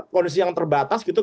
kondisi yang terbatas gitu